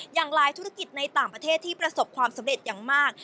อย่างหลายธุรกิจในต่างประเทศที่ประสบความสำเร็จอย่างมาก